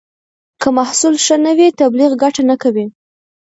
که محصول ښه نه وي، تبلیغ ګټه نه کوي.